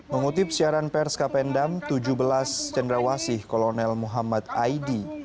mengutip siaran pers kapendam tujuh belas cendrawasih kolonel muhammad aidi